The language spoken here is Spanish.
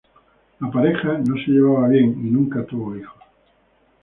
La pareja no se llevaba bien y nunca tuvo hijos.